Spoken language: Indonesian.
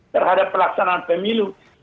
terhadap pelaksanaan pemilu